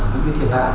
những cái thiệt hạ